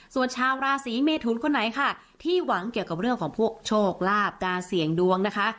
ส่วนชาวราศีเมทุนคนไหนค่ะที่หวังเกี่ยวกับเรื่องของพวกโชคลาภการเสี่ยงดวงนะคะ